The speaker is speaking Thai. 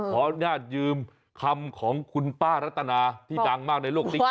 ขออนุญาตยืมคำของคุณป้ารัตนาที่ดังมากในโลกติ๊กต